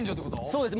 そうです。